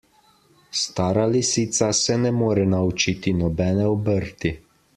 Stara lisica se ne more naučiti nobene obrti.